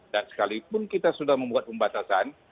dan sekalipun kita sudah membuat pembatasan